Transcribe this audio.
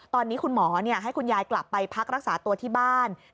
ตอนนี้คุณหมอให้คุณยายกลับไปพักรักษาตัวที่บ้าน